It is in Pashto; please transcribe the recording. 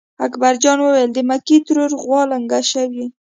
اکبر جان وېل: د مکۍ ترور غوا لنګه شوې.